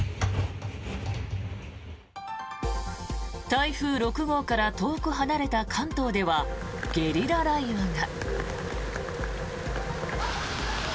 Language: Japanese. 台風６号から遠く離れた関東ではゲリラ雷雨が。